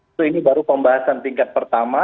itu ini baru pembahasan tingkat pertama